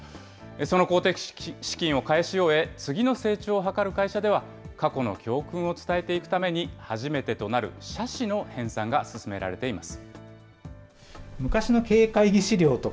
その公的資金を返し終え、次の成長を図る会社では、過去の教訓を伝えていくために初めてとなる社史の編さんが進められています。